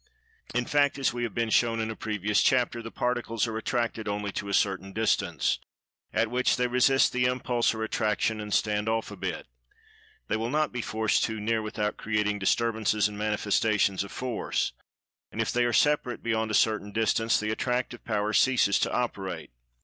In fact, as we have been shown in a previous chapter, the particles are attracted only to a certain distance, at which they resist the impulse or attraction and "stand off" a bit. They will not be forced too near without creating disturbances, and manifestations of force, and if they are separate beyond a certain distance the attractive power ceases to operate.